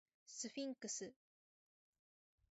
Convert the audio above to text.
スフィンクス